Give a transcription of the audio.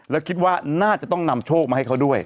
แล้วคิดว่าน่าจะต้องนำโชคมาให้เขาด้วย